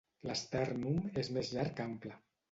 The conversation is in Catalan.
L'estèrnum és més llarg que ample.